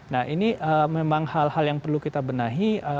jadi memang hal hal yang perlu kita benahi